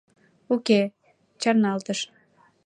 Уке, чарналтыш.